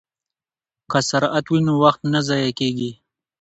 که سرعت وي نو وخت نه ضایع کیږي.